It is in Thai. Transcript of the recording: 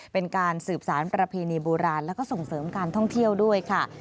เป็นการสืบสารประเพณีโบราณแล้วก็ส่งเสริมการท่องเที่ยวด้วยค่ะ